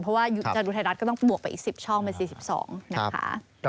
เพราะว่าจะดูไทยรัฐก็ต้องบวกไปอีก๑๐ช่องเป็น๔๒นะคะ